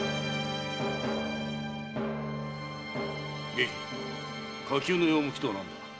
外記火急の用向きとは何だ？